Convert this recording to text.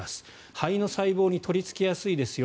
肺の細胞に取りつきやすいですよ。